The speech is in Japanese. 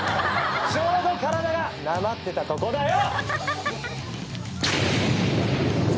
ちょうど体がなまってたとこだよ。